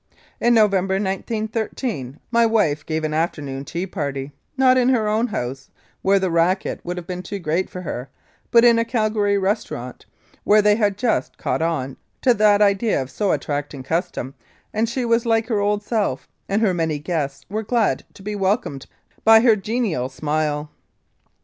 In November, 1913, my wife gave an after noon tea party, not in her own house, where the "racket" would have been too great for her, but in a Calgary restaurant, where they had just "caught on" to that idea of so attracting custom, and she was like her old self, and her many guests were glad to be welcomed by her genial smile.